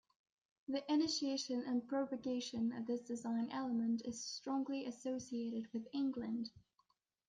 The initiation and propagation of this design element is strongly associated with England.